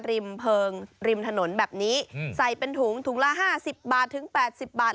ริมเพลิงริมถนนแบบนี้ใส่เป็นถุงถุงละห้าสิบบาทถึง๘๐บาท